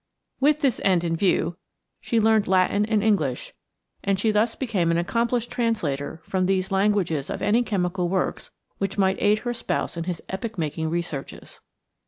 With this end in view, she learned Latin and English, and she thus became an accomplished translator from these languages of any chemical works which might aid her spouse in his epoch making researches.